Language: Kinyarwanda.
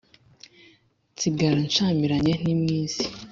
Nsigara nshyamiranye n' iminsi.